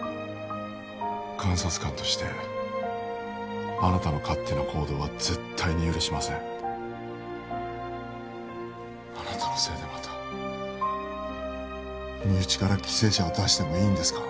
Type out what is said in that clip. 監察官としてあなたの勝手な行動は絶対に許しませんあなたのせいでまた身内から犠牲者を出してもいいんですか